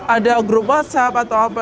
ada grup whatsapp atau apa